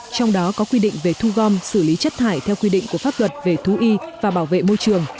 trong đó có quy định về thu gom xử lý chất thải theo quy định của pháp luật về thú y và bảo vệ môi trường